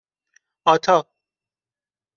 آتا